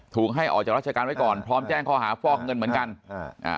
ให้ออกจากราชการไว้ก่อนพร้อมแจ้งข้อหาฟอกเงินเหมือนกันอ่าอ่า